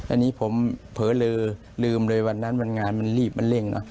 อันนี้ผมเผลอลือลืมเลยวันนั้นวันงานมันรีบมันเร่งเนอะ